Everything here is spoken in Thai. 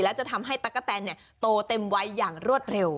และจะทำให้ตั๊กกะแตนโตเต็มวัยอย่างรวดเร็ว